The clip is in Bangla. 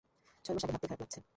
ছয় মাস আগে ভাবতেই খারাপ লাগছে।